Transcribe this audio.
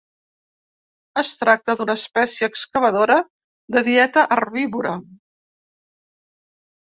Es tracta d'una espècie excavadora de dieta herbívora.